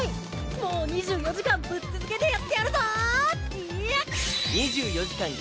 もう２４時間ぶっ続けでやってやるぞ！